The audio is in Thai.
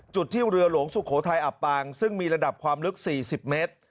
จุดที่เรือหลวงสุโขทัยอับปางซึ่งมีระดับความลึก๔๐เมตร